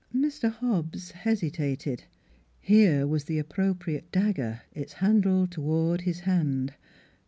Mr. Hobbs hesitated. Here was the appro priate dagger, its handle toward his hand.